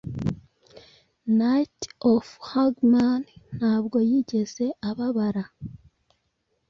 Knight of Hugmen ntabwo yigeze ababara